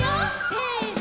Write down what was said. せの！